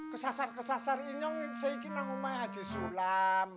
kesasar kesasar ini yang saya ikut nama haji sulam